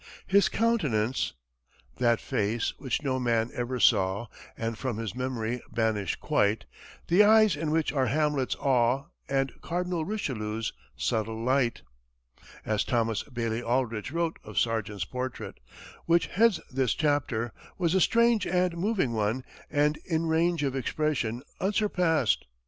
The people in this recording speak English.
His countenance "That face which no man ever saw And from his memory banished quite, The eyes in which are Hamlet's awe And Cardinal Richelieu's subtle light" as Thomas Bailey Aldrich wrote of Sargent's portrait, which heads this chapter was a strange and moving one, and in range of expression unsurpassed.